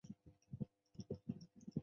有脓皮症并发的情形会使用抗菌药。